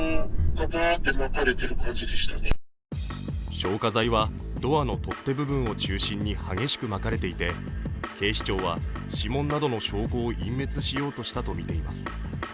消火剤はドアの取っ手部分を中心に激しくまかれていて警視庁は指紋などの証拠を隠滅しようとしたとみています。